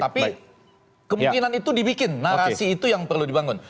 tapi kemungkinan itu dibikin narasi itu yang perlu dibangun